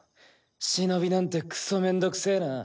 忍なんてクソめんどくせぇな。